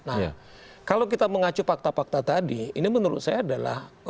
nah kalau kita mengacu fakta fakta tadi ini menurut saya adalah